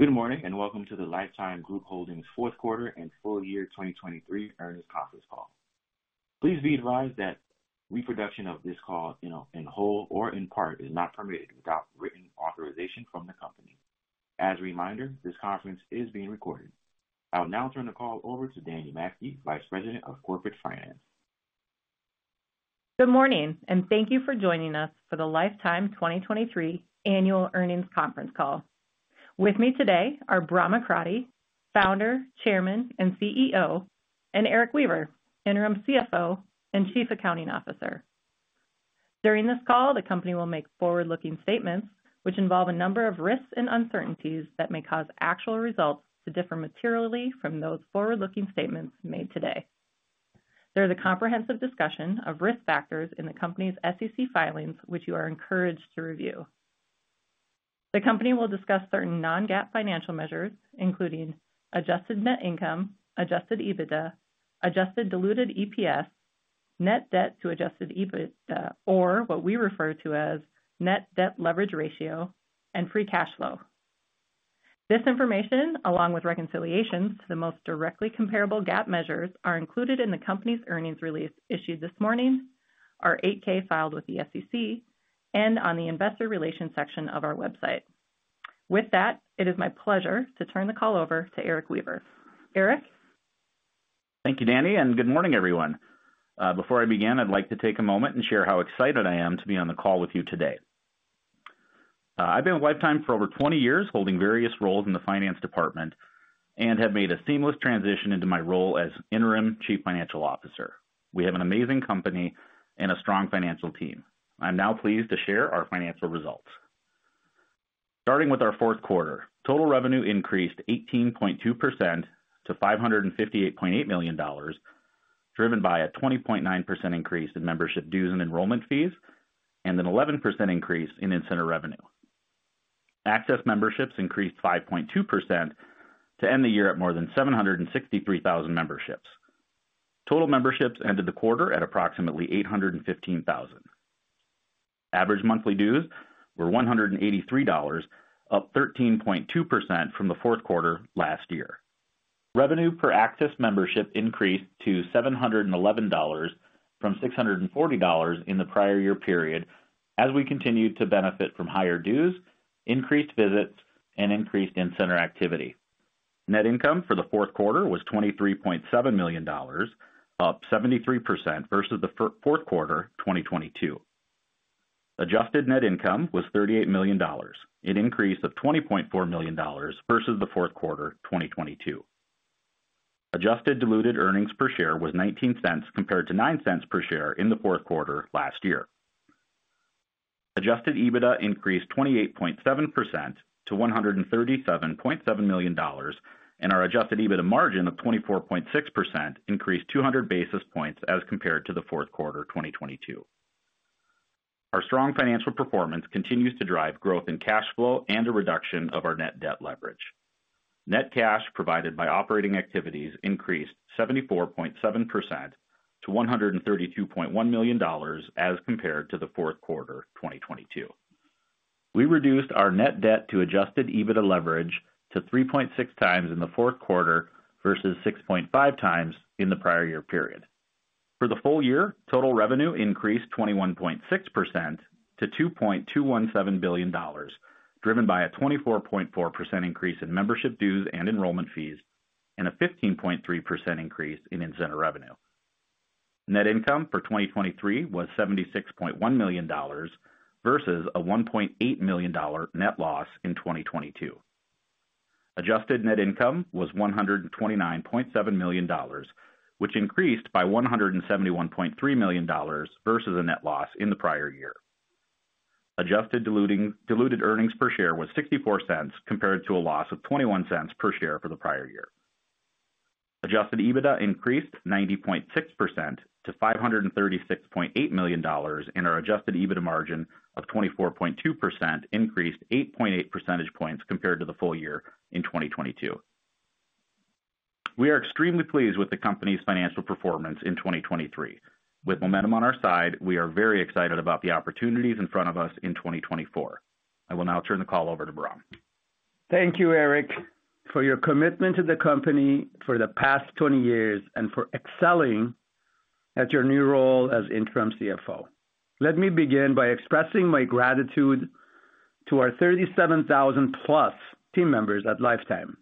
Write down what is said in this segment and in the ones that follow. Good morning, and welcome to the Life Time Group Holdings Fourth Quarter and Full Year 2023 Earnings Conference Call. Please be advised that reproduction of this call, you know, in whole or in part, is not permitted without written authorization from the company. As a reminder, this conference is being recorded. I'll now turn the call over to Dani Matzke, Vice President of Corporate Finance. Good morning, and thank you for joining us for the Life Time 2023 annual earnings conference call. With me today are Bahram Akradi, Founder, Chairman, and CEO, and Erik Weaver, Interim CFO and Chief Accounting Officer. During this call, the company will make forward-looking statements which involve a number of risks and uncertainties that may cause actual results to differ materially from those forward-looking statements made today. There is a comprehensive discussion of risk factors in the company's SEC filings, which you are encouraged to review. The company will discuss certain non-GAAP financial measures, including adjusted net income, adjusted EBITDA, adjusted diluted EPS, net debt to adjusted EBITDA, or what we refer to as net debt leverage ratio and free cash flow. This information, along with reconciliations to the most directly comparable GAAP measures, are included in the company's earnings release issued this morning, our 8-K filed with the SEC and on the investor relations section of our website. With that, it is my pleasure to turn the call over to Erik Weaver. Erik? Thank you, Dani, and good morning, everyone. Before I begin, I'd like to take a moment and share how excited I am to be on the call with you today. I've been with Life Time for over 20 years, holding various roles in the finance department and have made a seamless transition into my role as interim Chief Financial Officer. We have an amazing company and a strong financial team. I'm now pleased to share our financial results. Starting with our fourth quarter, total revenue increased 18.2% to $558.8 million, driven by a 20.9% increase in membership dues and enrollment fees, and an 11% increase in in-center revenue. Access memberships increased 5.2% to end the year at more than 763,000 memberships. Total memberships ended the quarter at approximately 815,000. Average monthly dues were $183, up 13.2% from the fourth quarter last year. Revenue per Access membership increased to $711 from $640 in the prior year period, as we continued to benefit from higher dues, increased visits and increased in-center activity. Net income for the fourth quarter was $23.7 million, up 73% versus the fourth quarter, 2022. Adjusted net income was $38 million, an increase of $20.4 million versus the fourth quarter, 2022. Adjusted diluted earnings per share was $0.19, compared to $0.09 per share in the fourth quarter last year. Adjusted EBITDA increased 28.7% to $137.7 million, and our adjusted EBITDA margin of 24.6% increased 200 basis points as compared to the fourth quarter, 2022. Our strong financial performance continues to drive growth in cash flow and a reduction of our net debt leverage. Net cash provided by operating activities increased 74.7% to $132.1 million as compared to the fourth quarter, 2022. We reduced our net debt to adjusted EBITDA leverage to 3.6 times in the fourth quarter versus 6.5 times in the prior year period. For the full year, total revenue increased 21.6% to $2.217 billion, driven by a 24.4% increase in membership dues and enrollment fees, and a 15.3% increase in in-center revenue. Net income for 2023 was $76.1 million versus a $1.8 million net loss in 2022. Adjusted net income was $129.7 million, which increased by $171.3 million versus a net loss in the prior year. Adjusted diluted earnings per share was $0.64, compared to a loss of $0.21 per share for the prior year. Adjusted EBITDA increased 90.6% to $536.8 million, and our adjusted EBITDA margin of 24.2% increased 8.8 percentage points compared to the full year in 2022. We are extremely pleased with the company's financial performance in 2023. With momentum on our side, we are very excited about the opportunities in front of us in 2024. I will now turn the call over to Bahram. Thank you, Erik, for your commitment to the company for the past 20 years and for excelling at your new role as interim CFO. Let me begin by expressing my gratitude to our 37,000+ team members at Life Time.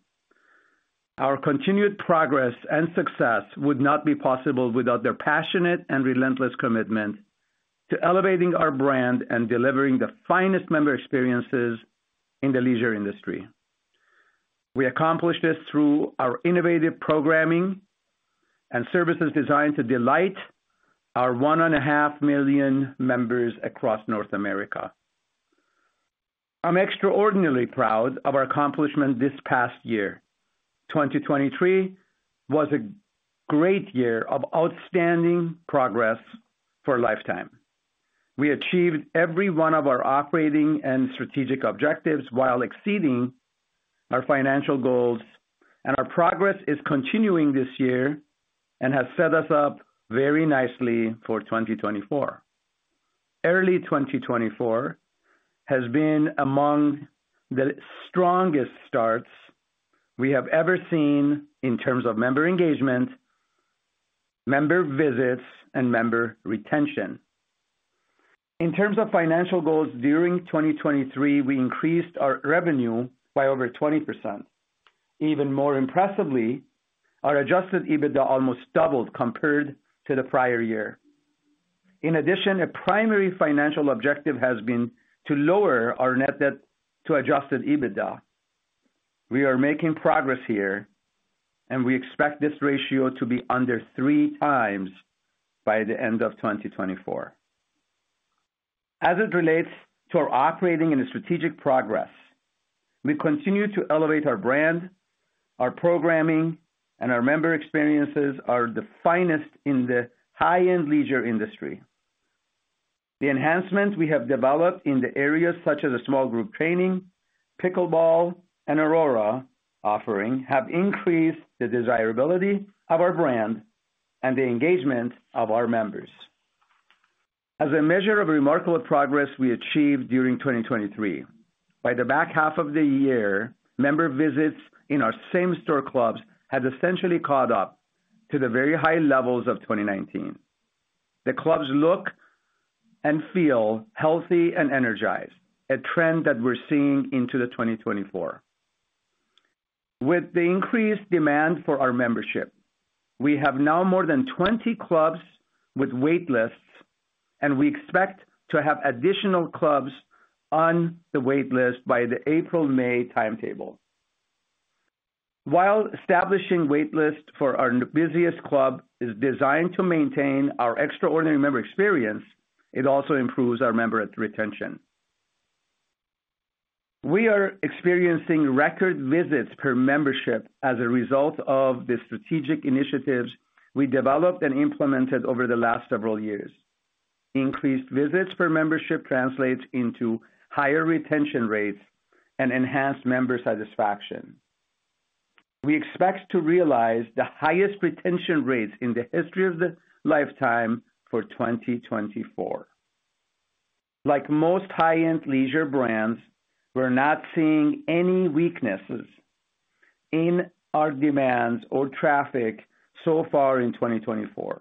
Our continued progress and success would not be possible without their passionate and relentless commitment to elevating our brand and delivering the finest member experiences in the leisure industry. We accomplish this through our innovative programming and services designed to delight our 1.5 million members across North America. I'm extraordinarily proud of our accomplishment this past year. 2023 was a great year of outstanding progress for Life Time. We achieved every one of our operating and strategic objectives while exceeding our financial goals, and our progress is continuing this year and has set us up very nicely for 2024. Early 2024 has been among the strongest starts we have ever seen in terms of member engagement, member visits, and member retention. In terms of financial goals, during 2023, we increased our revenue by over 20%. Even more impressively, our Adjusted EBITDA almost doubled compared to the prior year. In addition, a primary financial objective has been to lower our net debt to Adjusted EBITDA. We are making progress here, and we expect this ratio to be under 3x by the end of 2024. As it relates to our operating and strategic progress, we continue to elevate our brand, our programming, and our member experiences are the finest in the high-end leisure industry. The enhancements we have developed in the areas such as a small group training, pickleball, and ARORA offering, have increased the desirability of our brand and the engagement of our members. As a measure of remarkable progress we achieved during 2023, by the back half of the year, member visits in our same-store clubs had essentially caught up to the very high levels of 2019. The clubs look and feel healthy and energized, a trend that we're seeing into the 2024. With the increased demand for our membership, we have now more than 20 clubs with wait lists, and we expect to have additional clubs on the wait list by the April-May timetable. While establishing wait lists for our busiest club is designed to maintain our extraordinary member experience, it also improves our member retention. We are experiencing record visits per membership as a result of the strategic initiatives we developed and implemented over the last several years. Increased visits per membership translates into higher retention rates and enhanced member satisfaction. We expect to realize the highest retention rates in the history of the Life Time for 2024. Like most high-end leisure brands, we're not seeing any weaknesses in our demands or traffic so far in 2024.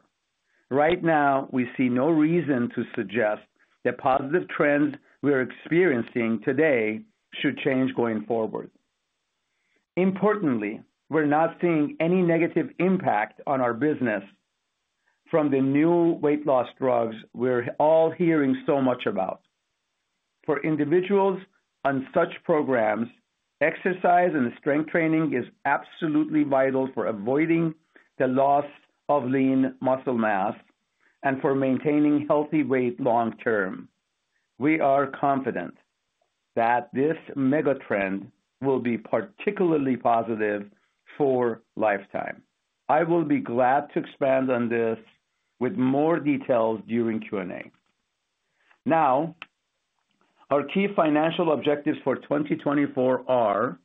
Right now, we see no reason to suggest the positive trends we are experiencing today should change going forward. Importantly, we're not seeing any negative impact on our business from the new weight loss drugs we're all hearing so much about. For individuals on such programs, exercise and strength training is absolutely vital for avoiding the loss of lean muscle mass and for maintaining healthy weight long term. We are confident that this mega trend will be particularly positive for Life Time. I will be glad to expand on this with more details during Q&A. Now, our key financial objectives for 2024 are,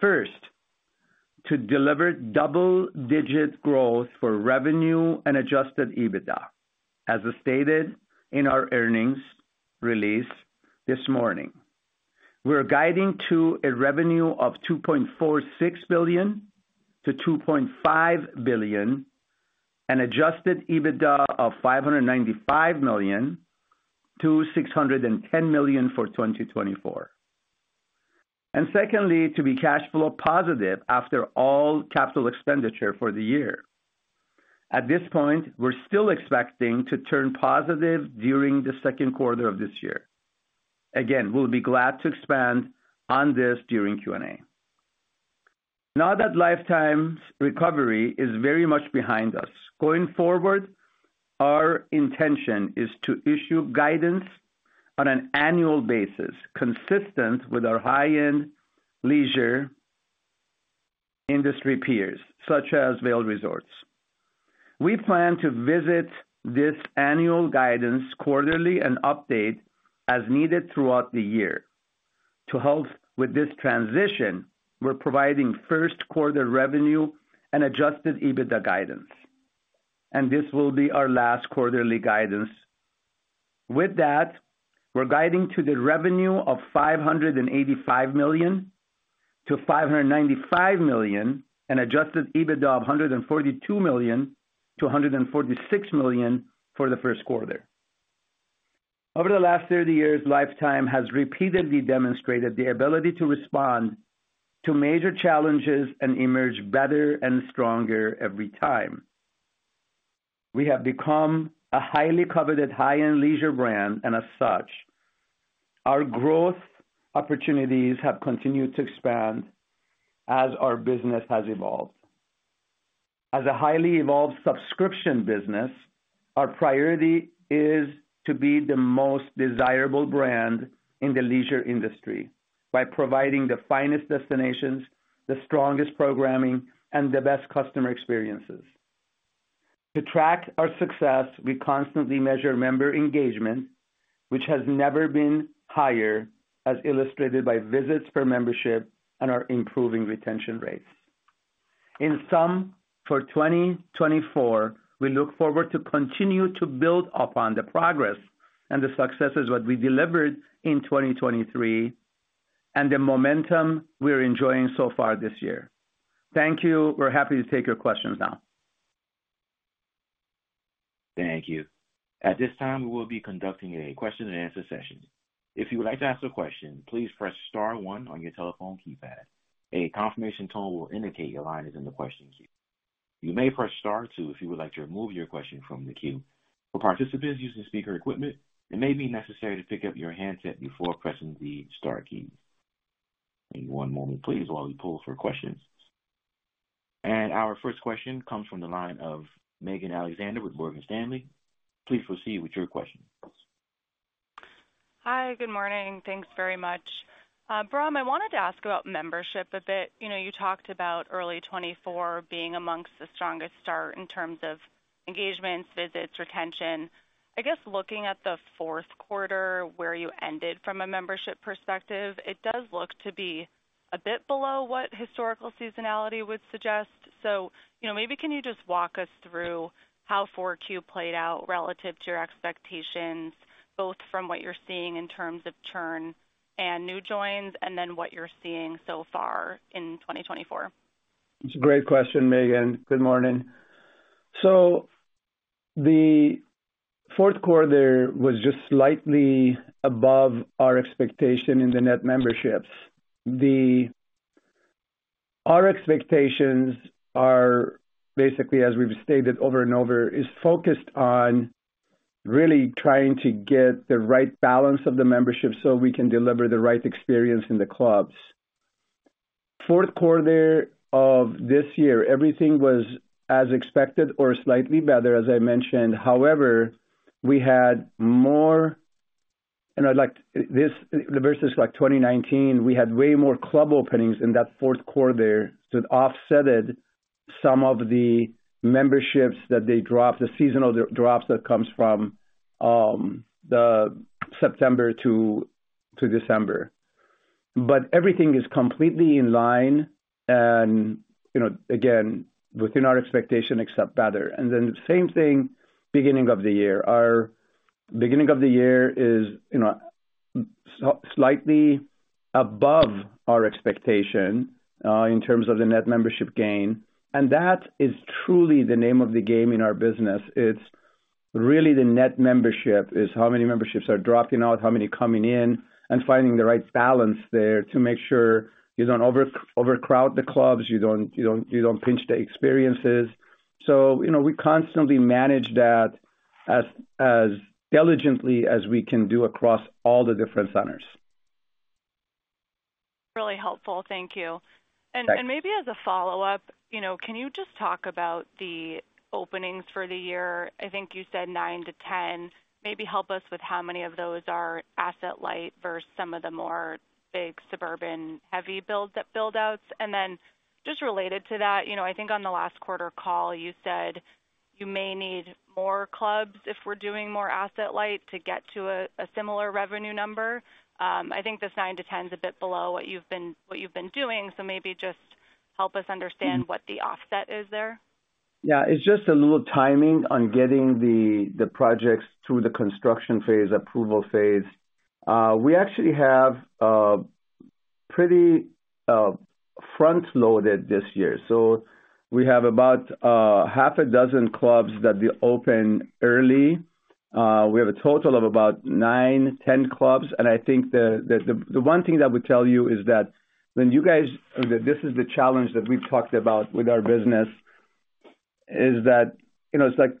first, to deliver double-digit growth for revenue and adjusted EBITDA, as stated in our earnings release this morning. We're guiding to a revenue of $2.46 billion-$2.5 billion, and adjusted EBITDA of $595 million-$610 million for 2024. And secondly, to be cash flow positive after all capital expenditure for the year. At this point, we're still expecting to turn positive during the second quarter of this year. Again, we'll be glad to expand on this during Q&A. Now that Life Time's recovery is very much behind us, going forward, our intention is to issue guidance on an annual basis, consistent with our high-end leisure industry peers, such as Vail Resorts. We plan to visit this annual guidance quarterly and update as needed throughout the year. To help with this transition, we're providing first quarter revenue and adjusted EBITDA guidance, and this will be our last quarterly guidance. With that, we're guiding to the revenue of $585 million-$595 million, and adjusted EBITDA of $142 million-$146 million for the first quarter. Over the last 30 years, Life Time has repeatedly demonstrated the ability to respond to major challenges and emerge better and stronger every time. We have become a highly coveted, high-end leisure brand, and as such, our growth opportunities have continued to expand as our business has evolved. As a highly evolved subscription business, our priority is to be the most desirable brand in the leisure industry by providing the finest destinations, the strongest programming, and the best customer experiences. To track our success, we constantly measure member engagement, which has never been higher, as illustrated by visits per membership and our improving retention rates. In sum, for 2024, we look forward to continue to build upon the progress and the successes what we delivered in 2023, and the momentum we're enjoying so far this year. Thank you. We're happy to take your questions now. Thank you. At this time, we will be conducting a question-and-answer session. If you would like to ask a question, please press star one on your telephone keypad. A confirmation tone will indicate your line is in the question queue. You may press star two if you would like to remove your question from the queue. For participants using speaker equipment, it may be necessary to pick up your handset before pressing the star key. Give me one moment, please, while we pull for questions. Our first question comes from the line of Megan Alexander with Morgan Stanley. Please proceed with your question. Hi, good morning. Thanks very much. Bahram, I wanted to ask about membership a bit. You know, you talked about early 2024 being amongst the strongest start in terms of engagements, visits, retention. I guess looking at the fourth quarter, where you ended from a membership perspective, it does look to be a bit below what historical seasonality would suggest. So, you know, maybe can you just walk us through how Q4 played out relative to your expectations, both from what you're seeing in terms of churn and new joins, and then what you're seeing so far in 2024? It's a great question, Megan. Good morning. So the fourth quarter was just slightly above our expectation in the net memberships. Our expectations are basically, as we've stated over and over, is focused on really trying to get the right balance of the membership so we can deliver the right experience in the clubs. Fourth quarter of this year, everything was as expected or slightly better, as I mentioned. However, we had more, and I'd like this versus like 2019, we had way more club openings in that fourth quarter that offset some of the memberships that they dropped, the seasonal drops that comes from the September to December. But everything is completely in line and, you know, again, within our expectation, except better. And then the same thing, beginning of the year. Our beginning of the year is, you know, slightly above our expectation in terms of the net membership gain, and that is truly the name of the game in our business. It's really the net membership, is how many memberships are dropping out, how many coming in, and finding the right balance there to make sure you don't over, overcrowd the clubs, you don't, you don't, you don't pinch the experiences. So, you know, we constantly manage that as, as diligently as we can do across all the different centers. Really helpful. Thank you. Thanks. And maybe as a follow-up, you know, can you just talk about the openings for the year? I think you said 9-10. Maybe help us with how many of those are asset light versus some of the more big suburban heavy builds at build-outs. And then just related to that, you know, I think on the last quarter call, you said you may need more clubs if we're doing more asset light to get to a similar revenue number. I think this 9-10 is a bit below what you've been doing, so maybe just help us understand what the offset is there. Yeah, it's just a little timing on getting the projects through the construction phase, approval phase. We actually have pretty front-loaded this year, so we have about half a dozen clubs that will open early. We have a total of about 9-10 clubs, and I think the one thing that I would tell you is that when you guys. This is the challenge that we've talked about with our business, is that, you know, it's like,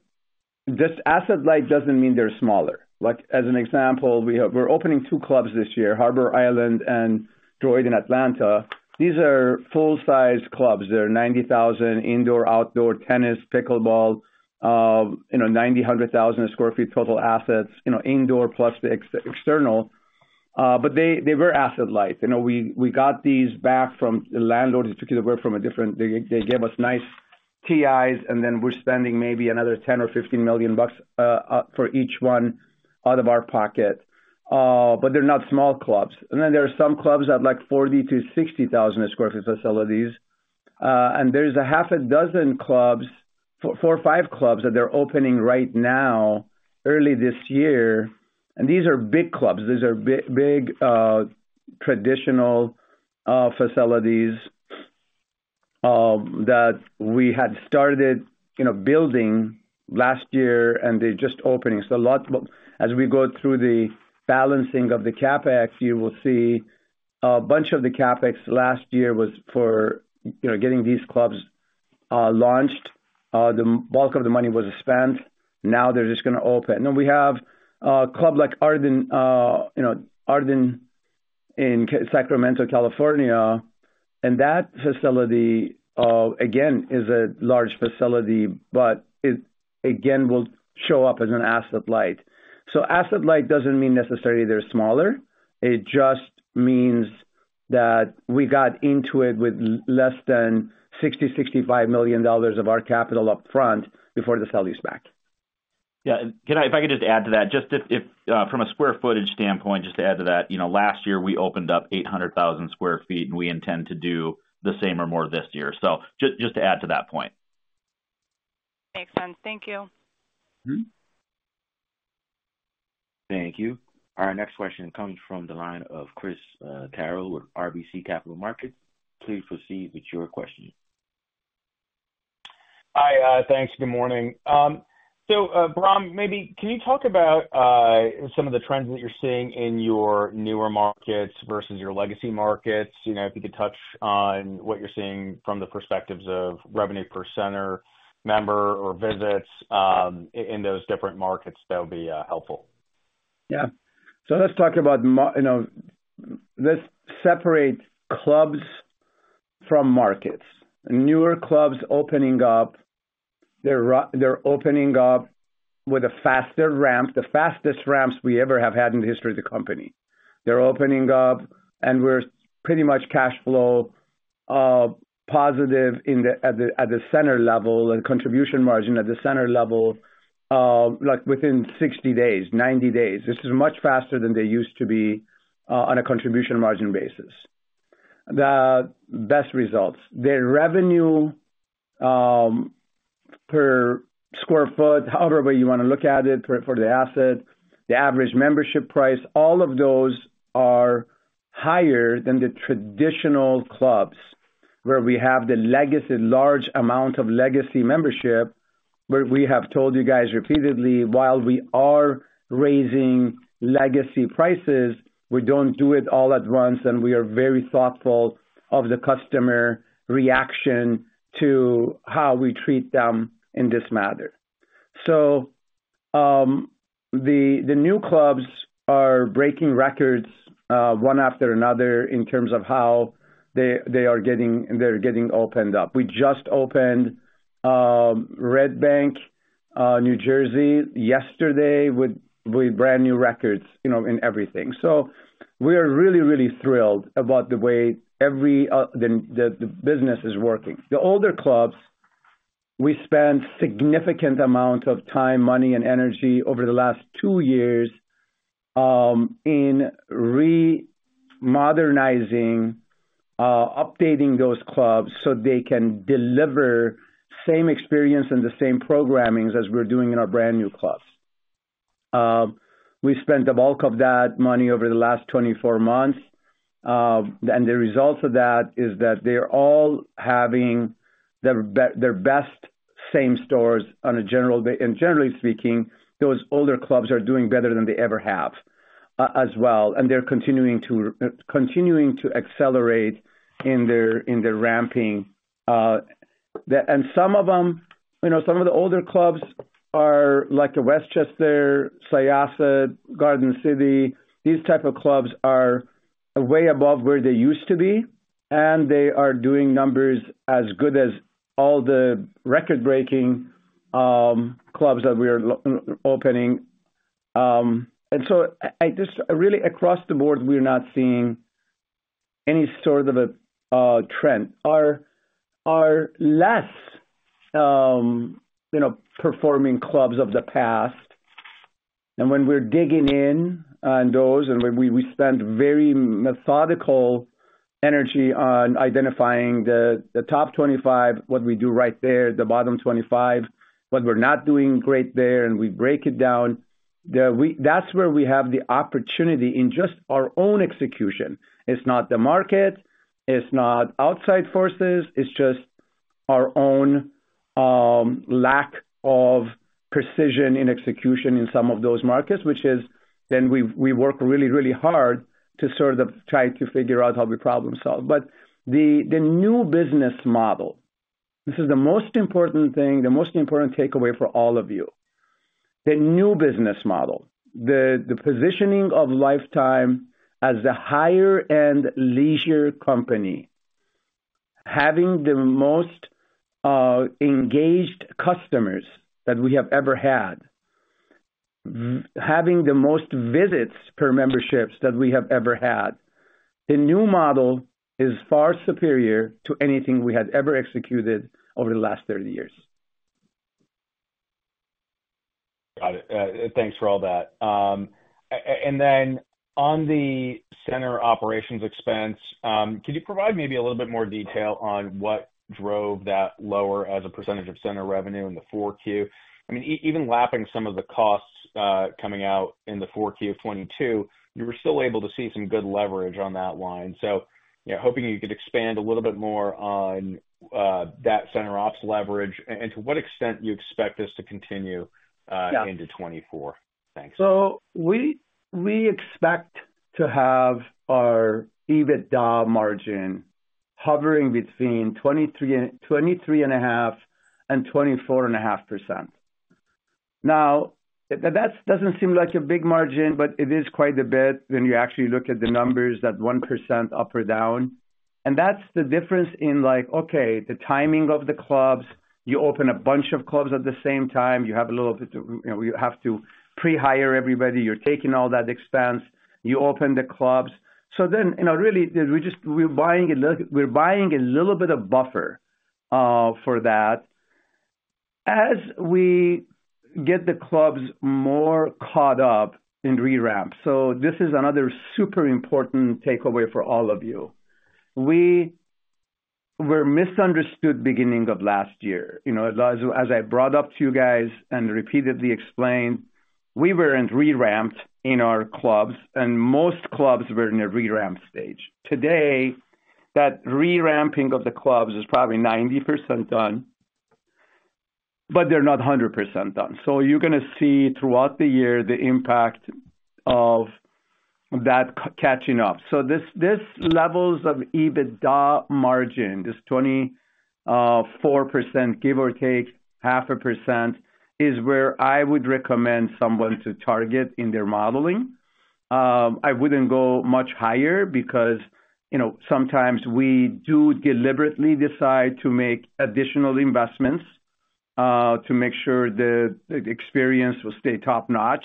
just asset light doesn't mean they're smaller. Like, as an example, we have—we're opening 2 clubs this year, Harbour Island and Druid in Atlanta. These are full-size clubs. They're 90,000 sq ft indoor, outdoor tennis, pickleball, you know, 90,000-100,000 sq ft, total assets, you know, indoor plus the external, but they were asset light. You know, we got these back from the landlords, particularly from a different. They gave us nice TIs, and then we're spending maybe another $10-$15 million for each one out of our pocket. But they're not small clubs. And then there are some clubs at, like, 40-60,000 sq ft facilities. And there's a half a dozen clubs, four or five clubs that they're opening right now, early this year, and these are big clubs. These are big traditional facilities that we had started, you know, building last year, and they're just opening. So a lot as we go through the balancing of the CapEx, you will see a bunch of the CapEx last year was for, you know, getting these clubs launched. The bulk of the money was spent. Now they're just gonna open. And then we have a club like Arden, you know, Arden in Sacramento, California, and that facility, again, is a large facility, but it, again, will show up as an asset light. So asset light doesn't mean necessarily they're smaller. It just means that we got into it with less than $60-$65 million of our capital upfront before the sell-leaseback. Yeah, can I – if I could just add to that, just if from a square footage standpoint, just to add to that, you know, last year we opened up 800,000 sq ft, and we intend to do the same or more this year. So just to add to that point. Makes sense. Thank you. Thank you. Our next question comes from the line of Chris Carril with RBC Capital Markets. Please proceed with your question. Hi, thanks. Good morning. So, Bahram, maybe can you talk about some of the trends that you're seeing in your newer markets versus your legacy markets? You know, if you could touch on what you're seeing from the perspectives of revenue per center, member or visits, in those different markets, that would be helpful. Yeah. So let's talk about you know, let's separate clubs from markets. Newer clubs opening up, they're opening up with a faster ramp, the fastest ramps we ever have had in the history of the company. They're opening up, and we're pretty much cash flow positive at the center level and contribution margin at the center level, like within 60 days, 90 days. This is much faster than they used to be, on a contribution margin basis. The best results, their revenue per square foot, however way you wanna look at it for, for the asset, the average membership price, all of those are higher than the traditional clubs, where we have the legacy, large amount of legacy membership. Where we have told you guys repeatedly, while we are raising legacy prices, we don't do it all at once, and we are very thoughtful of the customer reaction to how we treat them in this matter. So, the new clubs are breaking records one after another in terms of how they are getting opened up. We just opened Red Bank, New Jersey, yesterday, with brand new records, you know, in everything. So we are really, really thrilled about the way the business is working. The older clubs, we spent significant amount of time, money and energy over the last two years in modernizing updating those clubs so they can deliver same experience and the same programming as we're doing in our brand new clubs. We spent the bulk of that money over the last 24 months, and the results of that is that they're all having their best same stores on a general and generally speaking, those older clubs are doing better than they ever have as well, and they're continuing to accelerate in their ramping. And some of them, you know, some of the older clubs are like the Westchester, Syosset, Garden City. These type of clubs are way above where they used to be, and they are doing numbers as good as all the record-breaking clubs that we are opening. And so I just really, across the board, we're not seeing any sort of a trend. Our less, you know, performing clubs of the past, and when we're digging in on those, and when we spend very methodical energy on identifying the top 25, what we do right there, the bottom 25, what we're not doing great there, and we break it down. That's where we have the opportunity in just our own execution. It's not the market, it's not outside forces, it's just our own lack of precision in execution in some of those markets, which is... Then we work really, really hard to sort of try to figure out how we problem solve. But the new business model, this is the most important thing, the most important takeaway for all of you. The new business model, the positioning of Life Time as a higher-end leisure company, having the most engaged customers that we have ever had, having the most visits per memberships that we have ever had. The new model is far superior to anything we had ever executed over the last 30 years. Got it. Thanks for all that. And then on the center operations expense, could you provide maybe a little bit more detail on what drove that lower as a percentage of center revenue in the 4Q? I mean, even lapping some of the costs, coming out in the 4Q of 2022, you were still able to see some good leverage on that line. So, yeah, hoping you could expand a little bit more on, that center ops leverage, and to what extent you expect this to continue, into 2024. Thanks. So we expect to have our EBITDA margin hovering between 23.5% and 24.5%. Now, that doesn't seem like a big margin, but it is quite a bit when you actually look at the numbers, that 1% up or down. And that's the difference in like, okay, the timing of the clubs. You open a bunch of clubs at the same time, you have a little bit, you know, you have to pre-hire everybody. You're taking all that expense. You open the clubs. So then, you know, really, we're just, we're buying a little, we're buying a little bit of buffer for that. As we get the clubs more caught up in re-ramp, so this is another super important takeaway for all of you. We were misunderstood beginning of last year. You know, as I, as I brought up to you guys and repeatedly explained, we weren't re-ramped in our clubs, and most clubs were in a re-ramp stage. Today, that re-ramping of the clubs is probably 90% done, but they're not 100% done. So you're gonna see throughout the year the impact of that catching up. So this, this levels of EBITDA margin, this 24%, give or take 0.5%, is where I would recommend someone to target in their modeling. I wouldn't go much higher because, you know, sometimes we do deliberately decide to make additional investments to make sure the, the experience will stay top-notch.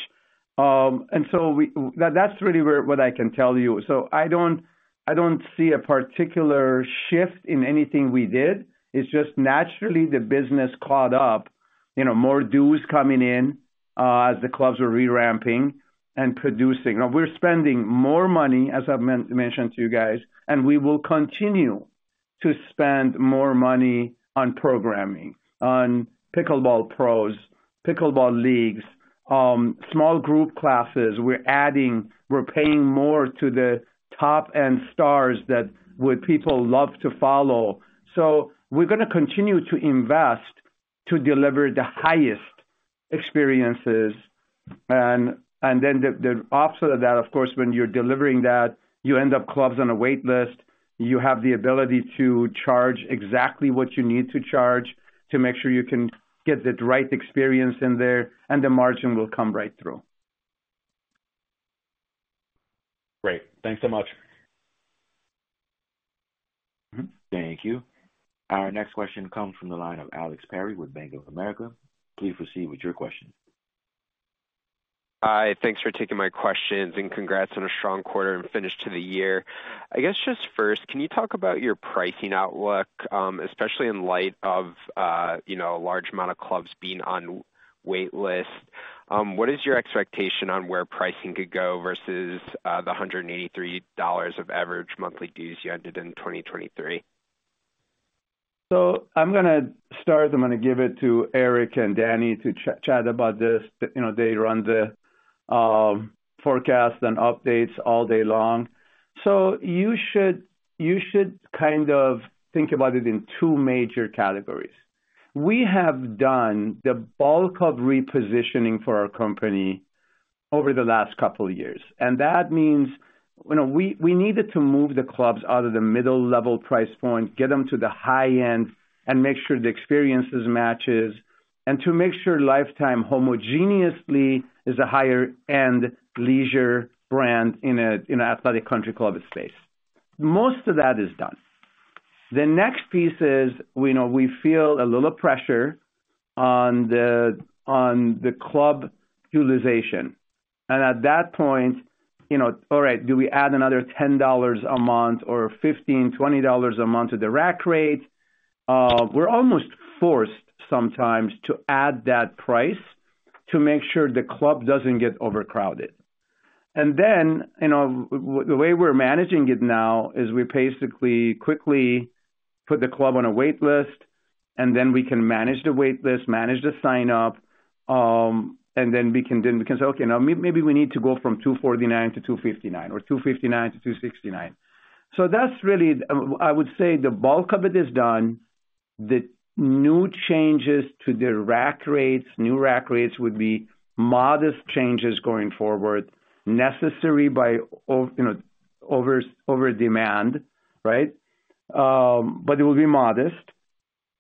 And so we, that, that's really where what I can tell you. So I don't, I don't see a particular shift in anything we did. It's just naturally the business caught up, you know, more dues coming in, as the clubs are re-ramping and producing. Now, we're spending more money, as I mentioned to you guys, and we will continue to spend more money on programming, on pickleball pros, pickleball leagues, small group classes. We're adding. We're paying more to the top-end stars that what people love to follow. So we're gonna continue to invest to deliver the highest experiences. And then the opposite of that, of course, when you're delivering that, you end up clubs on a waitlist. You have the ability to charge exactly what you need to charge to make sure you can get the right experience in there, and the margin will come right through. Great. Thanks so much. Thank you. Our next question comes from the line of Alex Perry with Bank of America. Please proceed with your question. Hi, thanks for taking my questions, and congrats on a strong quarter and finish to the year. I guess just first, can you talk about your pricing outlook, especially in light of, you know, a large amount of clubs being on wait list? What is your expectation on where pricing could go versus the $183 of average monthly dues you ended in 2023? So I'm gonna start. I'm gonna give it to Erik and Dani to chat about this. You know, they run the forecast and updates all day long. So you should kind of think about it in two major categories. We have done the bulk of repositioning for our company over the last couple of years, and that means, you know, we needed to move the clubs out of the middle-level price point, get them to the high end, and make sure the experiences matches, and to make sure Life Time homogeneously is a higher-end leisure brand in an athletic country club space. Most of that is done. The next piece is, we know we feel a little pressure on the club utilization, and at that point, you know, all right, do we add another $10 a month or 15, 20 dollars a month to the rack rate? We're almost forced sometimes to add that price to make sure the club doesn't get overcrowded. And then, you know, the way we're managing it now is we basically quickly put the club on a waitlist, and then we can manage the waitlist, manage the sign-up, and then we can say, "Okay, now maybe we need to go from $249 to $259 or $259 to $269." So that's really... I would say the bulk of it is done. The new changes to the rack rates, new rack rates, would be modest changes going forward, necessary by over demand, you know, right? But it will be modest.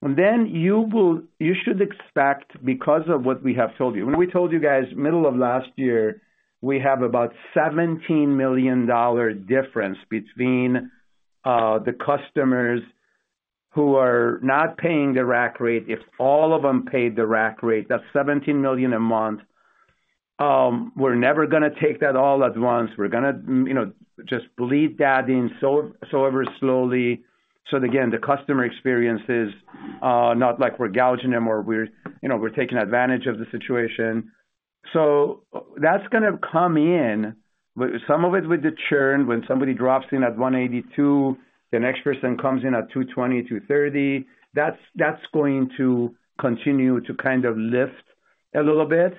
Then you should expect, because of what we have told you. When we told you guys middle of last year, we have about $17 million difference between the customers who are not paying the rack rate. If all of them paid the rack rate, that's $17 million a month. We're never gonna take that all at once. We're gonna, you know, just bleed that in so ever slowly. So again, the customer experience is not like we're gouging them or we're, you know, we're taking advantage of the situation. So that's gonna come in, but some of it with the churn, when somebody drops in at 182, the next person comes in at 220, 230, that's going to continue to kind of lift a little bit.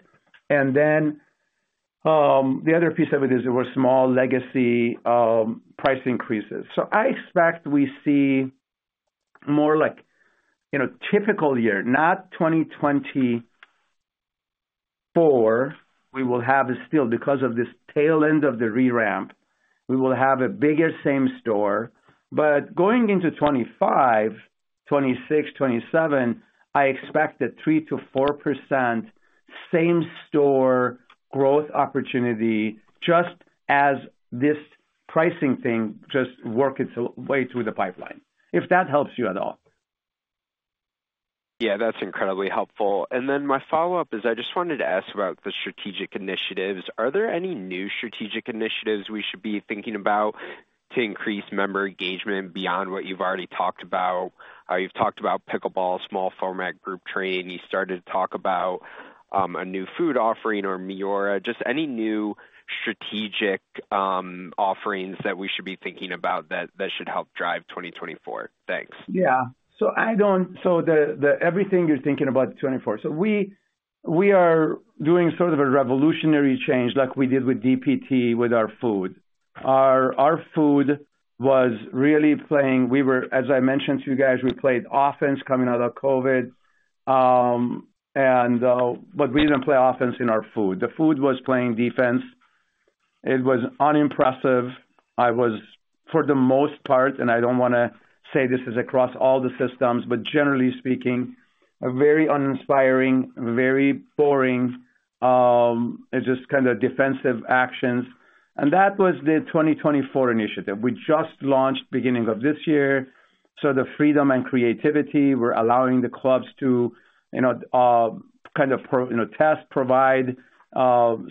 And then, the other piece of it is there were small legacy price increases. So I expect we see more like, you know, typical year, not 2024. We will have a still, because of this tail end of the re-ramp, we will have a bigger same-store, but going into 2025, 2026, 2027, I expect a 3%-4% same-store growth opportunity, just as this pricing thing just work its way through the pipeline, if that helps you at all. Yeah, that's incredibly helpful. Then my follow-up is, I just wanted to ask about the strategic initiatives. Are there any new strategic initiatives we should be thinking about to increase member engagement beyond what you've already talked about? You've talked about pickleball, small format group training. You started to talk about a new food offering or MIORA. Just any new strategic offerings that we should be thinking about that should help drive 2024? Thanks. Yeah. So the everything you're thinking about 2024. So we are doing sort of a revolutionary change like we did with DPT, with our food. Our food was really playing... We were, as I mentioned to you guys, we played offense coming out of COVID, and but we didn't play offense in our food. The food was playing defense. It was unimpressive. I was, for the most part, and I don't want to say this is across all the systems, but generally speaking, a very uninspiring, very boring, and just kind of defensive actions. And that was the 2024 initiative. We just launched beginning of this year, so the freedom and creativity, we're allowing the clubs to, you know, kind of pro, you know, test, provide,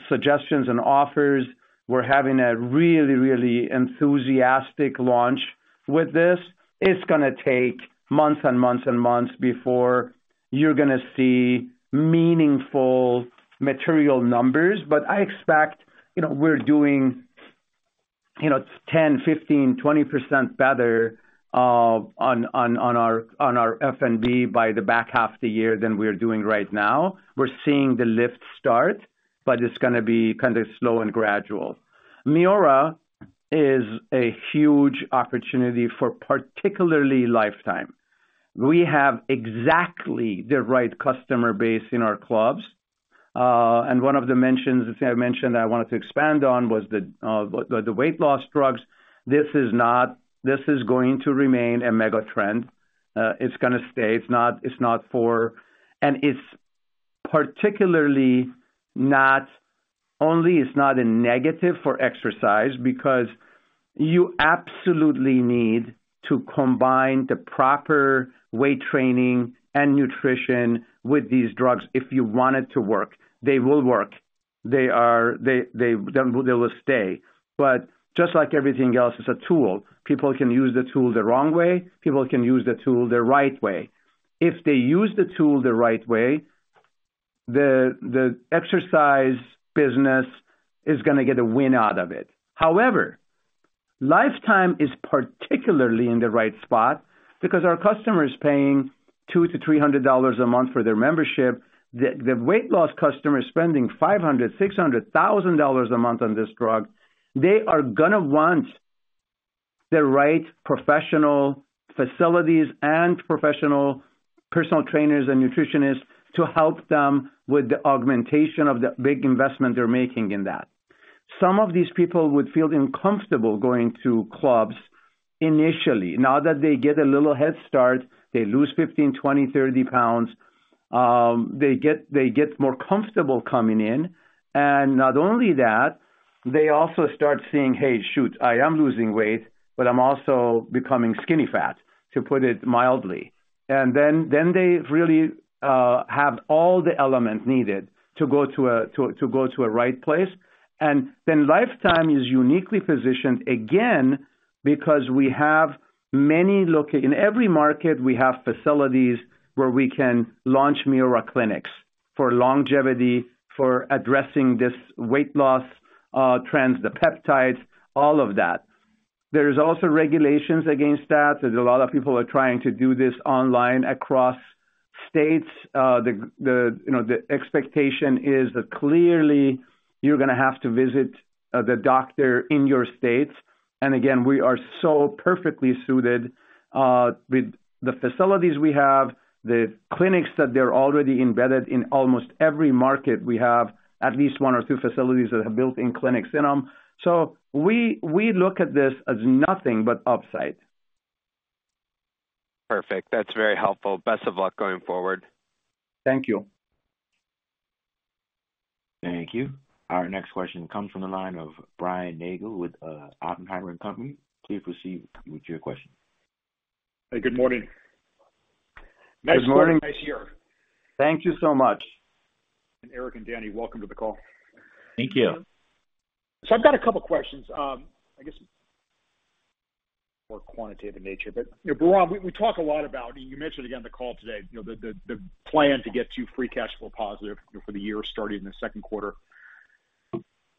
suggestions and offers. We're having a really, really enthusiastic launch with this. It's gonna take months and months and months before you're gonna see meaningful material numbers, but I expect, you know, we're doing, you know, 10, 15, 20% better on our F&B by the back half of the year than we're doing right now. We're seeing the lift start, but it's gonna be kind of slow and gradual. MIORA is a huge opportunity for particularly Life Time. We have exactly the right customer base in our clubs, and one of the mentions, as I mentioned, I wanted to expand on, was the weight loss drugs. This is not. This is going to remain a mega trend. It's gonna stay. It's not, it's not for. It's particularly not, only it's not a negative for exercise because you absolutely need to combine the proper weight training and nutrition with these drugs if you want it to work. They will stay. But just like everything else, it's a tool. People can use the tool the wrong way. People can use the tool the right way. If they use the tool the right way, the exercise business is gonna get a win out of it. However, Life Time is particularly in the right spot because our customer is paying $200-$300 a month for their membership. The weight loss customer is spending $500,000-$600,000 a month on this drug. They are gonna want the right professional facilities and professional personal trainers and nutritionists to help them with the augmentation of the big investment they're making in that. Some of these people would feel uncomfortable going to clubs initially. Now that they get a little head start, they lose 15, 20, 30 pounds, they get more comfortable coming in, and not only that, they also start seeing, "Hey, shoot, I am losing weight, but I'm also becoming skinny fat," to put it mildly. Then they really have all the elements needed to go to a right place. And then Life Time is uniquely positioned again, because we have many locations in every market, we have facilities where we can launch MIORA clinics for longevity, for addressing this weight loss trends, the peptides, all of that. There's also regulations against that. There's a lot of people are trying to do this online across states. You know, the expectation is that clearly you're gonna have to visit the doctor in your states. And again, we are so perfectly suited with the facilities we have, the clinics, that they're already embedded in almost every market we have at least one or two facilities that have built-in clinics in them. So we look at this as nothing but upside. Perfect. That's very helpful. Best of luck going forward. Thank you. Thank you. Our next question comes from the line of Brian Nagel with Oppenheimer Company. Please proceed with your question. Hey, good morning. Good morning. Nice year. Thank you so much. Erik and Dani, welcome to the call. Thank you. So I've got a couple questions, I guess, more quantitative in nature, but, you know, Bahram, we, we talk a lot about, and you mentioned again on the call today, you know, the plan to get to free cash flow positive for the year starting in the second quarter.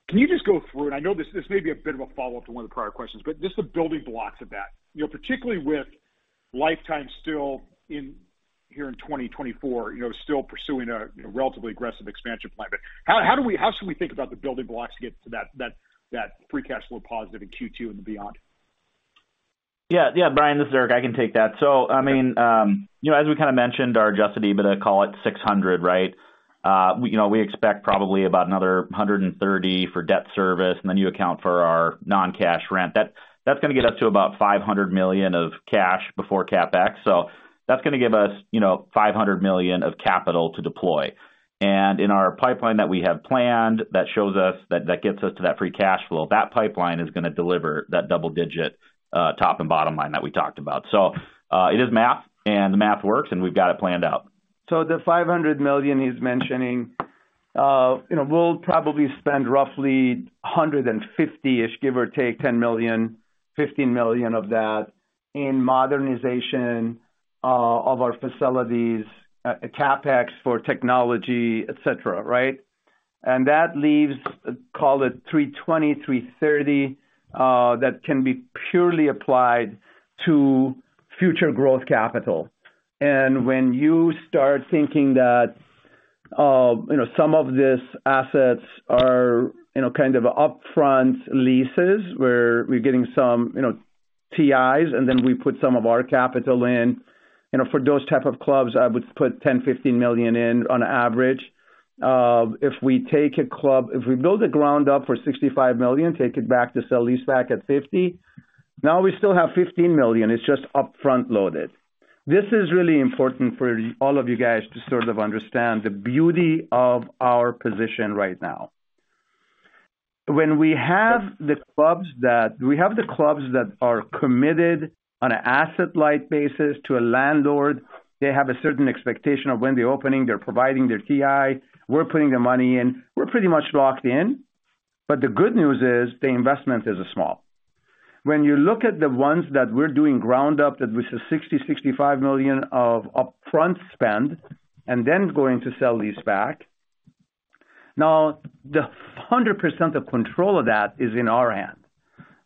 Can you just go through, and I know this may be a bit of a follow-up to one of the prior questions, but just the building blocks of that. You know, particularly with Life Time still here in 2024, you know, still pursuing a relatively aggressive expansion plan. But how should we think about the building blocks to get to that free cash flow positive in Q2 and beyond? Yeah, yeah, Brian, this is Eric. I can take that. So, I mean, you know, as we kind of mentioned, our adjusted EBITDA, call it $600 million, right? We, you know, we expect probably about another $130 million for debt service, and then you account for our non-cash rent. That, that's gonna get us to about $500 million of cash before CapEx. So that's gonna give us, you know, $500 million of capital to deploy. And in our pipeline that we have planned, that shows us, that, that gets us to that free cash flow. That pipeline is gonna deliver that double-digit, top and bottom line that we talked about. So, it is math, and the math works, and we've got it planned out. So the $500 million he's mentioning, you know, we'll probably spend roughly 150-ish, give or take $10 million-$15 million of that in modernization, of our facilities, CapEx for technology, et cetera, right? And that leaves, call it $320-$330, that can be purely applied to future growth capital. And when you start thinking that, you know, some of these assets are, you know, kind of upfront leases, where we're getting some, you know, TIs, and then we put some of our capital in. You know, for those type of clubs, I would put $10-$15 million in on average. If we take a club—if we build a ground up for $65 million, take it back to sell leaseback at $50, now we still have $15 million. It's just upfront loaded. This is really important for all of you guys to sort of understand the beauty of our position right now. When we have the clubs that are committed on an asset-light basis to a landlord, they have a certain expectation of when they're opening, they're providing their TI, we're putting the money in. We're pretty much locked in, but the good news is, the investment is small. When you look at the ones that we're doing ground up, that which is $60-$65 million of upfront spend, and then going to sell these back, now, the 100% of control of that is in our hand.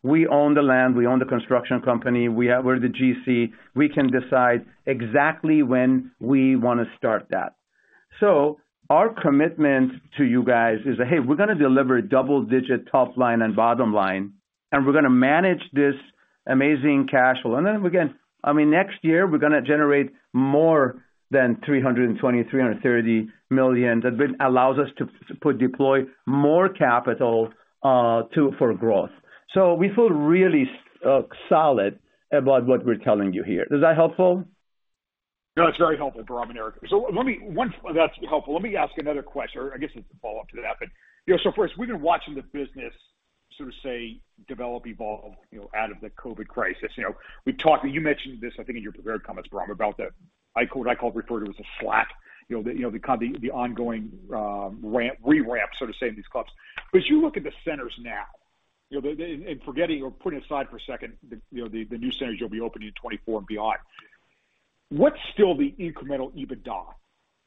We own the land, we own the construction company, we're the GC. We can decide exactly when we wanna start that. So our commitment to you guys is that, hey, we're gonna deliver double-digit top line and bottom line, and we're gonna manage this amazing cash flow. And then, again, I mean, next year, we're gonna generate more than $320-$330 million, that will allows us to deploy more capital to for growth. So we feel really solid about what we're telling you here. Is that helpful? No, it's very helpful, Bahram and Erik. So let me—one, that's helpful. Let me ask another question, or I guess it's a follow-up to that. But, you know, so first, we've been watching the business sort of, say, develop, evolve, you know, out of the COVID crisis. You know, we talked... You mentioned this, I think, in your prepared comments, Bahram, about the, I quote, I call, refer to as a slack, you know, the, you know, the kind, the, the ongoing, ramp, re-ramp, so to say, in these clubs. But you look at the centers now, you know, the, and, and forgetting or putting aside for a second the, you know, the, the new centers you'll be opening in 2024 and beyond. What's still the incremental EBITDA?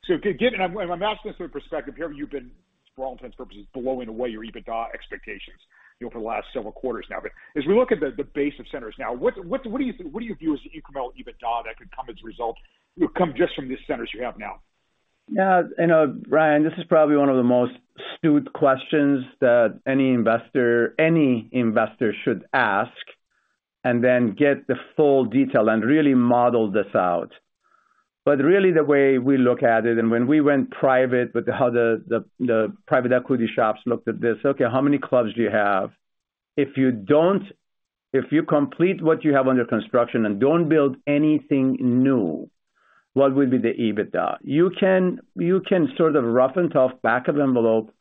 So again, and I'm asking this with perspective here, you've been, for all intents and purposes, blowing away your EBITDA expectations, you know, for the last several quarters now. But as we look at the base of centers now, what do you view as the incremental EBITDA that could come as a result, you know, come just from the centers you have now? Yeah, you know, Brian, this is probably one of the most astute questions that any investor, any investor should ask and then get the full detail and really model this out. But really, the way we look at it, and when we went private with how the private equity shops looked at this, okay, how many clubs do you have? If you don't, if you complete what you have under construction and don't build anything new, what will be the EBITDA? You can, you can sort of rough and tough, back of envelope,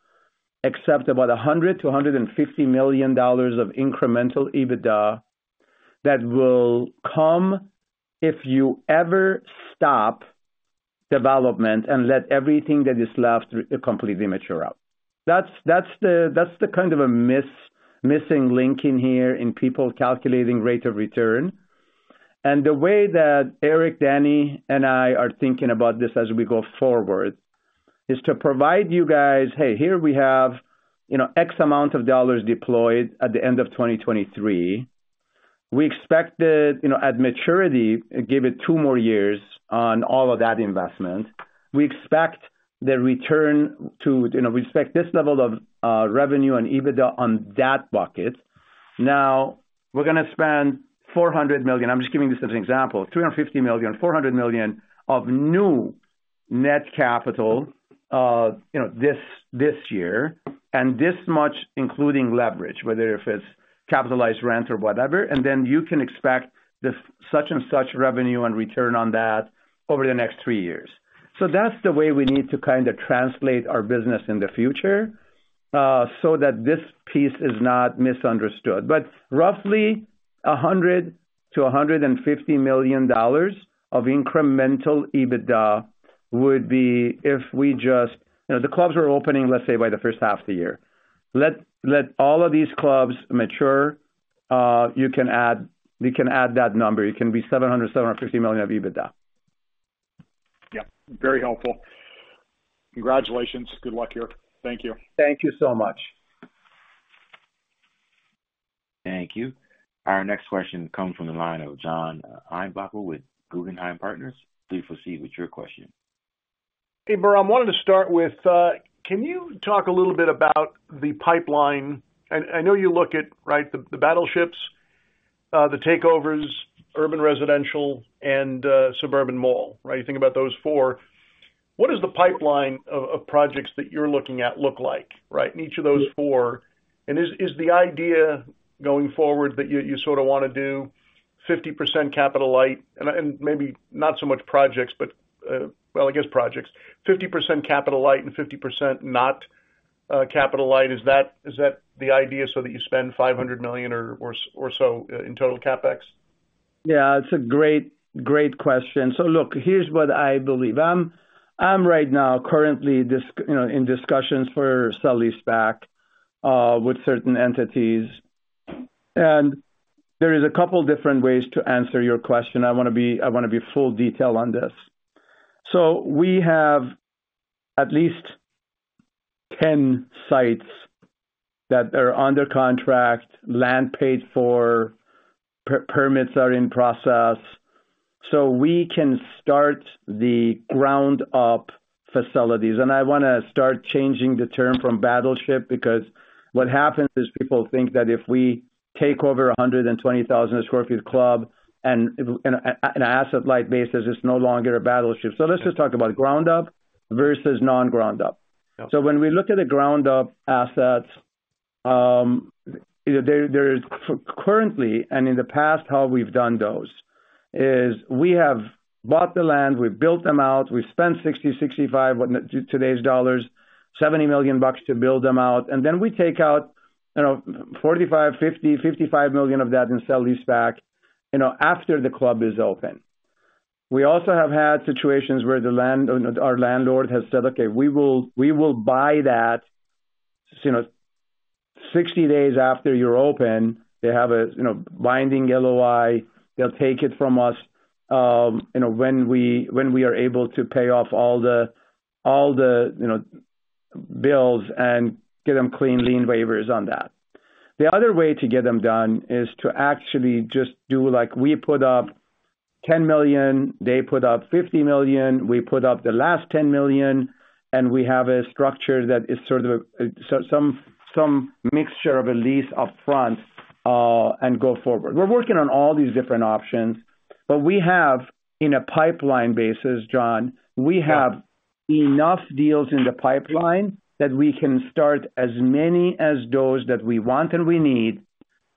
accept about $100 million-$150 million of incremental EBITDA that will come if you ever stop development and let everything that is left completely mature out. That's, that's the kind of a missing link in here in people calculating rate of return. The way that Eric, Danny, and I are thinking about this as we go forward is to provide you guys: hey, here we have, you know, X amount of dollars deployed at the end of 2023. We expect it, you know, at maturity, give it two more years on all of that investment. We expect the return to... You know, we expect this level of revenue and EBITDA on that bucket. Now, we're gonna spend $400 million, I'm just giving this as an example, $350 million-$400 million of new net capital, you know, this year, and this much, including leverage, whether if it's capitalized rent or whatever, and then you can expect this such and such revenue and return on that over the next three years. So that's the way we need to kind of translate our business in the future, so that this piece is not misunderstood. But roughly, $100-$150 million of incremental EBITDA would be if we just... You know, the clubs are opening, let's say, by the first half of the year. Let all of these clubs mature, you can add, we can add that number. It can be $700-$750 million of EBITDA. Yeah, very helpful. Congratulations. Good luck here. Thank you. Thank you so much. Thank you. Our next question comes from the line of John Heinbockel with Guggenheim Partners. Please proceed with your question. Hey, Bahram, wanted to start with, can you talk a little bit about the pipeline? And I know you look at, right, the battleships, the takeovers, urban, residential, and suburban mall, right? You think about those four. What is the pipeline of projects that you're looking at look like, right? In each of those four. And is the idea going forward that you sort of want to do 50% capital light and maybe not so much projects, but well, I guess projects. 50% capital light and 50% not? Capital light, is that the idea so that you spend $500 million or so in total CapEx? Yeah, it's a great, great question. So look, here's what I believe. I'm right now currently in discussions, you know, for sell-leaseback with certain entities. And there is a couple different ways to answer your question. I wanna be full detail on this. So we have at least 10 sites that are under contract, land paid for, permits are in process, so we can start the ground-up facilities. And I wanna start changing the term from battleship, because what happens is people think that if we take over a 120,000 sq ft club and an asset-light basis, it's no longer a battleship. So let's just talk about ground-up versus non-ground-up. Yep. So when we look at the ground up assets, there is currently, and in the past, how we've done those, is we have bought the land, we've built them out, we've spent 60, 65, with today's dollars, $70 million to build them out, and then we take out, you know, $45 million, $50 million, $55 million of that and sell-leaseback, you know, after the club is open. We also have had situations where the land, our landlord has said, "Okay, we will, we will buy that, you know, 60 days after you're open." They have a, you know, binding LOI. They'll take it from us, you know, when we, when we are able to pay off all the, all the, you know, bills and get them clean lien waivers on that. The other way to get them done is to actually just do like we put up $10 million, they put up $50 million, we put up the last $10 million, and we have a structure that is sort of a some mixture of a lease upfront and go forward. We're working on all these different options, but we have, in a pipeline basis, John, we have enough deals in the pipeline that we can start as many as those that we want and we need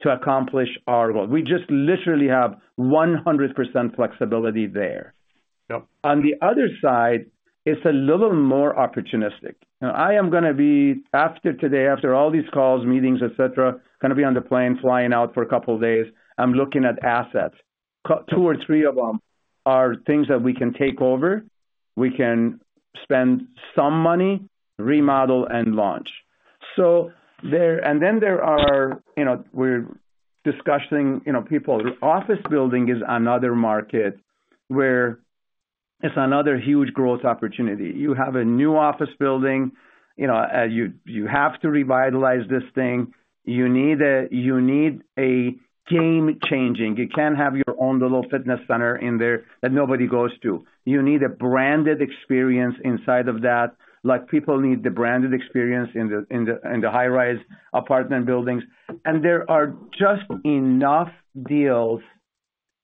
to accomplish our goal. We just literally have 100% flexibility there. Yep. On the other side, it's a little more opportunistic. Now, I am gonna be, after today, after all these calls, meetings, et cetera, gonna be on the plane flying out for a couple of days. I'm looking at assets. Two or three of them are things that we can take over. We can spend some money, remodel, and launch. And then there are, you know, we're discussing, you know, people. Office building is another market where it's another huge growth opportunity. You have a new office building, you know, you have to revitalize this thing. You need a game changing. You can't have your own little fitness center in there that nobody goes to. You need a branded experience inside of that, like people need the branded experience in the high-rise apartment buildings. There are just enough deals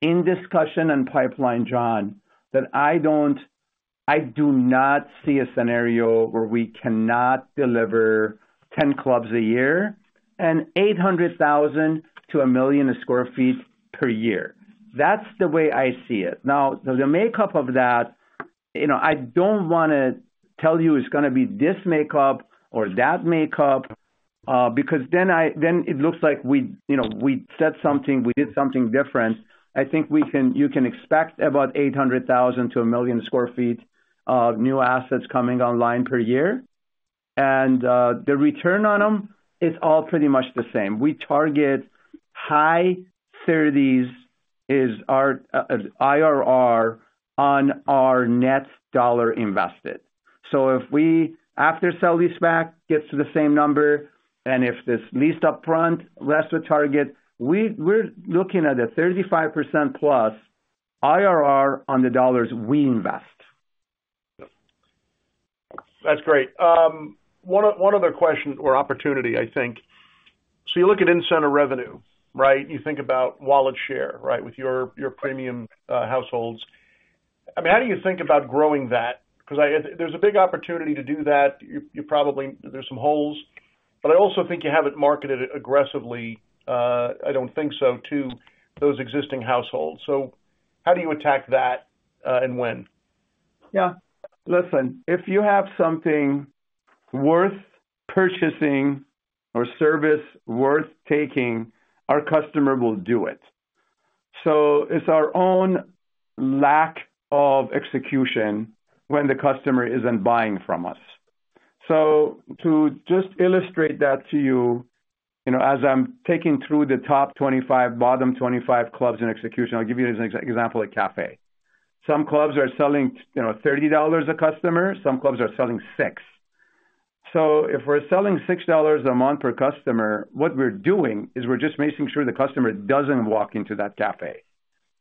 in discussion and pipeline, John, that I do not see a scenario where we cannot deliver 10 clubs a year and 800,000-1 million sq ft per year. That's the way I see it. Now, the makeup of that, you know, I don't wanna tell you it's gonna be this makeup or that makeup, because then it looks like we, you know, we said something, we did something different. I think you can expect about 800,000-1 million sq ft of new assets coming online per year. And, the return on them is all pretty much the same. We target high 30s as our IRR on our net dollar invested. So if we, after sell-leaseback, gets to the same number, and if this leased upfront rests with target, we're looking at a 35%+ IRR on the dollars we invest. That's great. One other question or opportunity, I think. So you look at in-center revenue, right? You think about wallet share, right, with your premium households. I mean, how do you think about growing that? Because I... There's a big opportunity to do that. You probably-- there's some holes, but I also think you haven't marketed it aggressively, I don't think so, to those existing households. So how do you attack that, and when? Yeah. Listen, if you have something worth purchasing or service worth taking, our customer will do it. So it's our own lack of execution when the customer isn't buying from us. So to just illustrate that to you, you know, as I'm taking through the top 25, bottom 25 clubs in execution, I'll give you an example, a cafe. Some clubs are selling, you know, $30 a customer, some clubs are selling $6. So if we're selling $6 a month per customer, what we're doing is we're just making sure the customer doesn't walk into that cafe.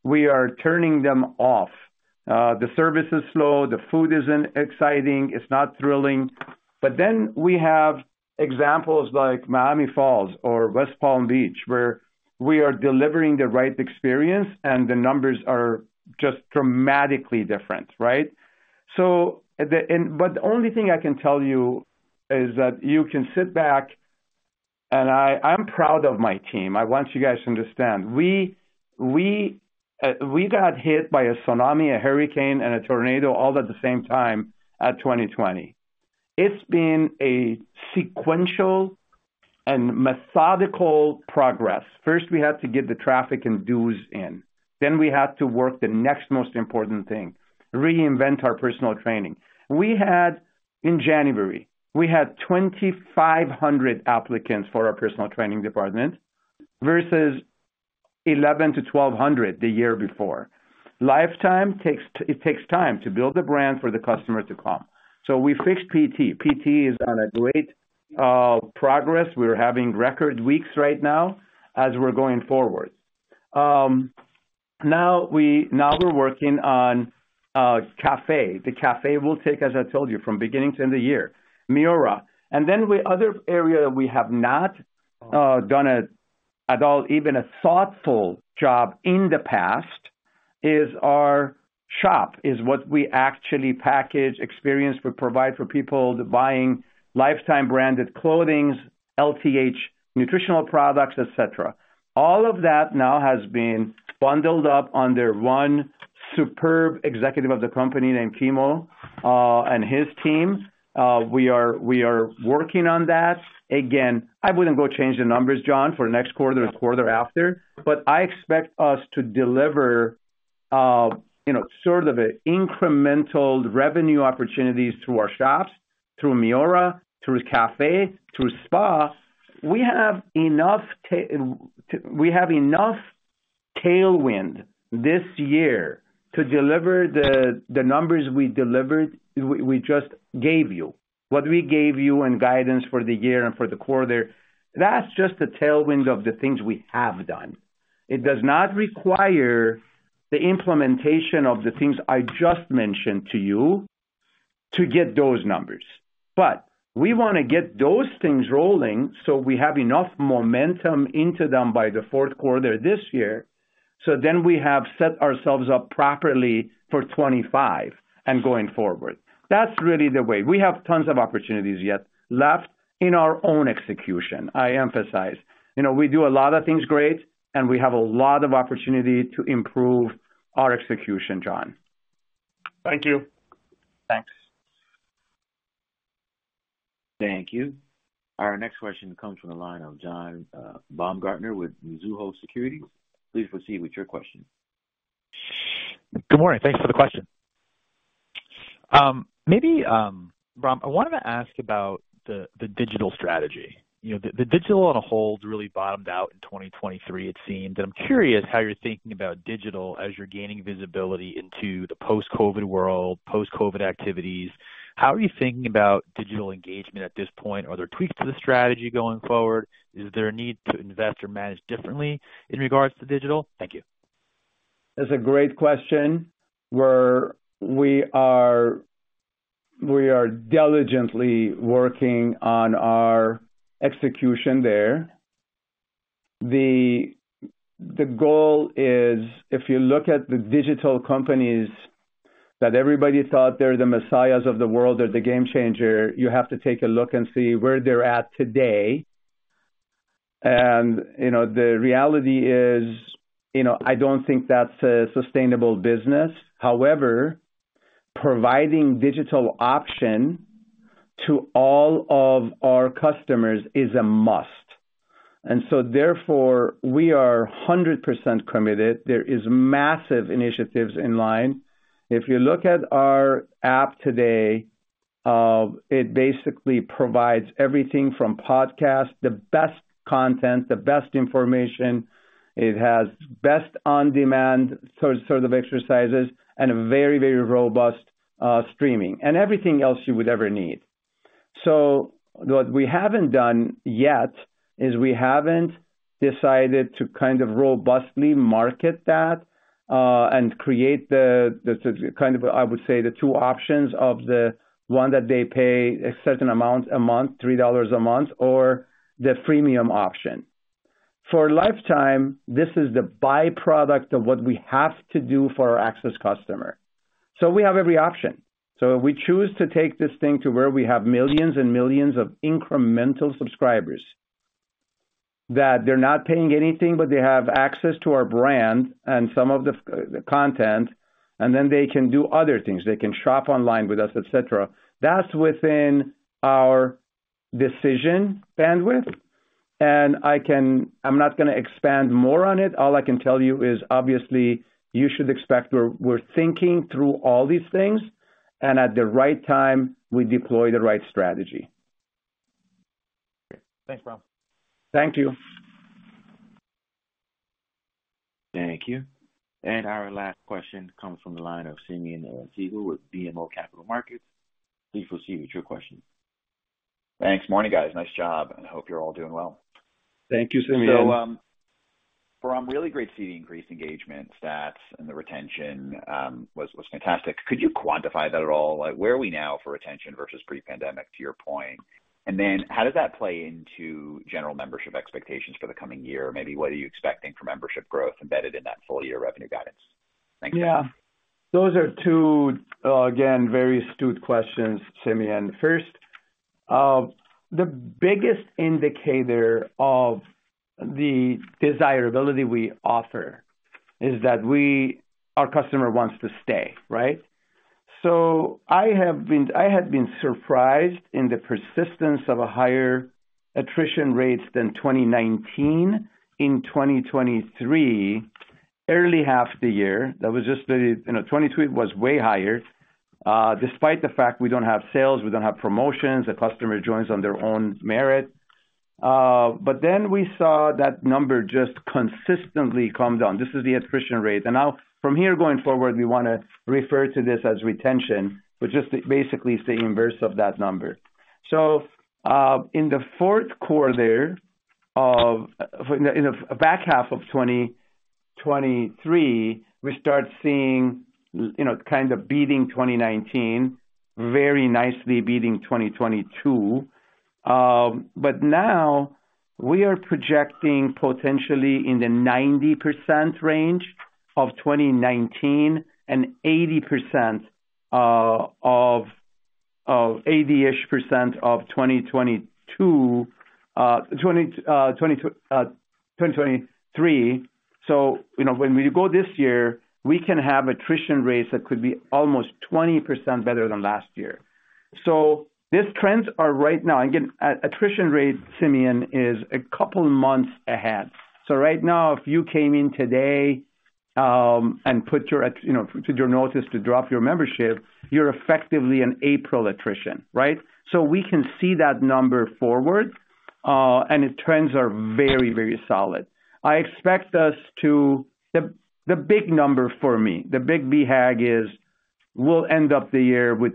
We are turning them off. The service is slow, the food isn't exciting, it's not thrilling. But then we have examples like Miami Falls or West Palm Beach, where we are delivering the right experience, and the numbers are just dramatically different, right? So the. But the only thing I can tell you is that you can sit back. I'm proud of my team. I want you guys to understand. We got hit by a tsunami, a hurricane, and a tornado all at the same time at 2020. It's been a sequential and methodical progress. First, we had to get the traffic and dues in. Then we had to work the next most important thing, reinvent our personal training. In January, we had 2,500 applicants for our personal training department versus 1,100-1,200 the year before. It takes time to build a brand for the customer to come. So we fixed PT. PT is on a great progress. We're having record weeks right now as we're going forward. Now we're working on cafe. The cafe will take, as I told you, from beginning to end of the year. MIORA, and then the other area we have not done at all, even a thoughtful job in the past, is our shop, is what we actually package experience we provide for people buying Life Time branded clothing, LTH, nutritional products, et cetera. All of that now has been bundled up under one superb executive of the company named Kimo, and his team. We are working on that. Again, I wouldn't go change the numbers, John, for next quarter or the quarter after, but I expect us to deliver, you know, sort of an incremental revenue opportunities through our shops, through MIORA, through cafe, through spa. We have enough tailwind this year to deliver the numbers we delivered. We just gave you. What we gave you and guidance for the year and for the quarter, that's just the tailwind of the things we have done. It does not require the implementation of the things I just mentioned to you to get those numbers. But we want to get those things rolling so we have enough momentum into them by the fourth quarter this year, so then we have set ourselves up properly for 2025 and going forward. That's really the way. We have tons of opportunities yet left in our own execution, I emphasize. You know, we do a lot of things great, and we have a lot of opportunity to improve our execution, John. Thank you. Thanks. Thank you. Our next question comes from the line of John Baumgartner with Mizuho Securities. Please proceed with your question. Good morning. Thanks for the question. Maybe, Ram, I wanted to ask about the digital strategy. You know, the digital on a whole really bottomed out in 2023, it seemed. I'm curious how you're thinking about digital as you're gaining visibility into the post-COVID world, post-COVID activities. How are you thinking about digital engagement at this point? Are there tweaks to the strategy going forward? Is there a need to invest or manage differently in regards to digital? Thank you. That's a great question. We are diligently working on our execution there. The goal is, if you look at the digital companies that everybody thought they're the messiahs of the world or the game changer, you have to take a look and see where they're at today. And, you know, the reality is, you know, I don't think that's a sustainable business. However, providing digital option to all of our customers is a must, and so therefore, we are 100% committed. There is massive initiatives in line. If you look at our app today, it basically provides everything from podcasts, the best content, the best information. It has best on-demand sort of exercises and a very, very robust streaming and everything else you would ever need. So what we haven't done yet is we haven't decided to kind of robustly market that, and create the, the kind of, I would say, the two options of the one that they pay a certain amount a month, $3 a month, or the freemium option. For Life Time, this is the by-product of what we have to do for our access customer. So we have every option. So if we choose to take this thing to where we have millions and millions of incremental subscribers, that they're not paying anything, but they have access to our brand and some of the, the content, and then they can do other things. They can shop online with us, et cetera. That's within our decision bandwidth, and I can... I'm not gonna expand more on it. All I can tell you is, obviously, you should expect we're thinking through all these things, and at the right time, we deploy the right strategy. Thanks, Bahram Thank you. Thank you. And our last question comes from the line of Simeon Siegel with BMO Capital Markets. Please proceed with your question. Thanks. Morning, guys. Nice job, and I hope you're all doing well. Thank you, Simeon. So, Ram, really great to see the increased engagement stats and the retention was fantastic. Could you quantify that at all? Like, where are we now for retention versus pre-pandemic, to your point? And then how does that play into general membership expectations for the coming year? Maybe what are you expecting for membership growth embedded in that full-year revenue guidance? Thanks. Yeah. Those are two, again, very astute questions, Simeon. First, the biggest indicator of the desirability we offer is that we our customer wants to stay, right? So I had been surprised in the persistence of a higher attrition rates than 2019 in 2023, early half the year. That was just the, you know, 2022 was way higher, despite the fact we don't have sales, we don't have promotions, the customer joins on their own merit. But then we saw that number just consistently come down. This is the attrition rate. And now from here going forward, we wanna refer to this as retention, which is basically it's the inverse of that number. So, in the back half of 2023, we start seeing, you know, kind of beating 2019, very nicely beating 2022. But now we are projecting potentially in the 90% range of 2019 and 80%, of eighty-ish percent of 2022, 2023. So, you know, when we go this year, we can have attrition rates that could be almost 20% better than last year. So these trends are right now... Again, attrition rate, Simeon, is a couple of months ahead. So right now, if you came in today, and, you know, put your notice to drop your membership, you're effectively an April attrition, right? So we can see that number forward, and the trends are very, very solid. I expect us to... The big number for me, the big BHAG is, we'll end up the year with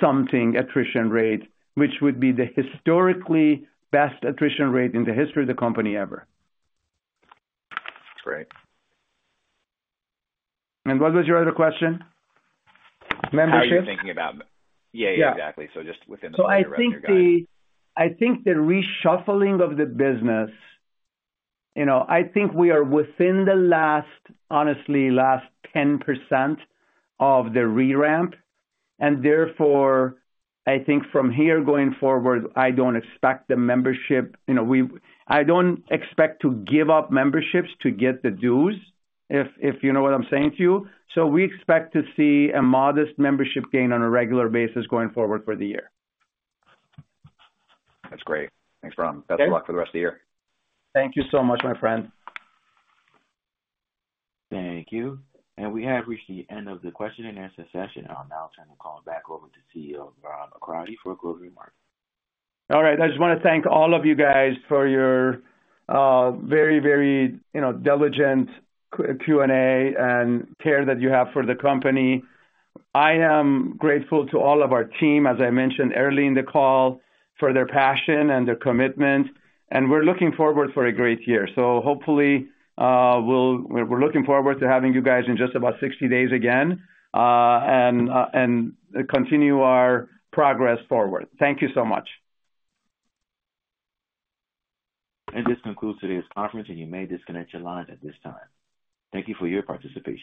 29-something attrition rate, which would be the historically best attrition rate in the history of the company ever. Great. What was your other question? Membership? How are you thinking about...? Yeah, yeah, exactly. Yeah. Just within the So I think the reshuffling of the business, you know, I think we are within the last, honestly, last 10% of the re-ramp, and therefore, I think from here going forward, I don't expect the membership, you know, we—I don't expect to give up memberships to get the dues, if you know what I'm saying to you. So we expect to see a modest membership gain on a regular basis going forward for the year. That's great. Thanks, Bahram Okay. Best of luck for the rest of the year. Thank you so much, my friend. Thank you. We have reached the end of the question and answer session. I'll now turn the call back over to CEO Bahram Akradi for a closing remark. All right. I just want to thank all of you guys for your very, very, you know, diligent Q&A and care that you have for the company. I am grateful to all of our team, as I mentioned early in the call, for their passion and their commitment, and we're looking forward for a great year. So hopefully, we're looking forward to having you guys in just about 60 days again, and continue our progress forward. Thank you so much. This concludes today's conference, and you may disconnect your lines at this time. Thank you for your participation.